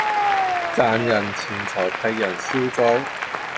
賺人錢財替人消災